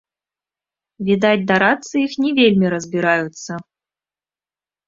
Відаць, дарадцы іх не вельмі разбіраюцца.